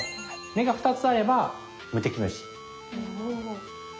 眼が２つあれば無敵の石。